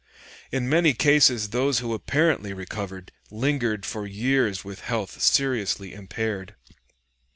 In many cases those who apparently recovered lingered for years with health seriously impaired.